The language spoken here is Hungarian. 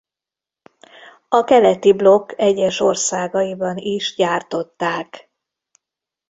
A keleti blokk egyes országaiban is gyártották.